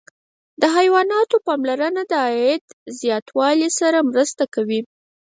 د حیواناتو پاملرنه د عاید زیاتوالي سره مرسته کوي.